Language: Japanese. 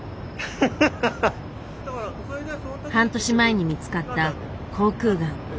半年前に見つかった口腔がん。